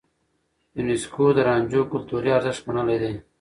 يونيسکو د رانجو کلتوري ارزښت منلی دی.